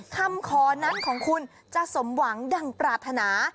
คำขอนั้นของคุณจะสมหวังดังปรารถนา